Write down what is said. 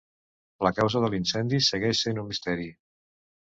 La causa de l'incendi segueix sent un misteri.